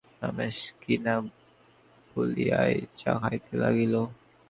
রমেশ কিছু না বলিয়াই চা খাইতে লাগিল।